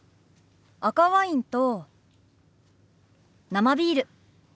赤ワインと生ビール。